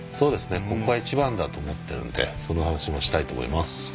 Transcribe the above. ここが一番だと思ってるんでその話もしたいと思います。